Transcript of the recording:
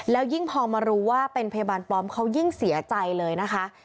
แล้วยิ่งพอมารู้ว่าเป็นพยาบาลปลอมเขายิ่งเสียใจเลยนะคะ